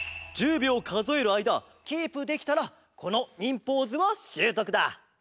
びょうかぞえるあいだキープできたらこの忍ポーズはしゅうとくだ。